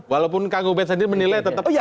walaupun kang ubet sendiri menilai tetap ada